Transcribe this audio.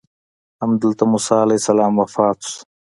همدلته موسی علیه السلام وفات شو.